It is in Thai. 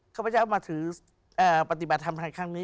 ข้าพเจ้ามาถือปฏิบัติธรรมในครั้งนี้